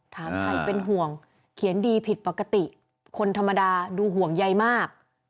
ถามใครเป็นห่วงเขียนดีผิดปกติคนธรรมดาดูห่วงใยมาก